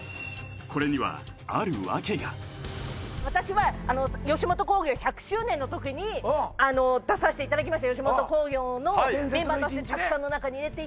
これには私は吉本興業１００周年のときに出さしていただきました吉本興業のメンバーとして「伝説の一日」ね